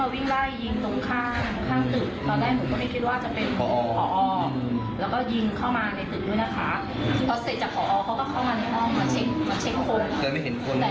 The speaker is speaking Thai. พวกเธอยังอยู่ในอาการตกใจกับเหตุการณ์สะเทือนขวัญ